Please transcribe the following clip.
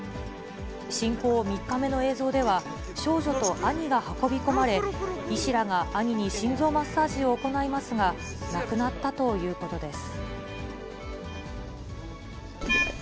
侵攻３日目の映像では、少女と兄が運び込まれ、医師らが兄に心臓マッサージを行いますが、亡くなったということです。